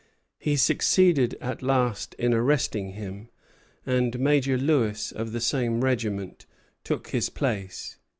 He succeeded at last in arresting him, and Major Lewis, of the same regiment, took his place.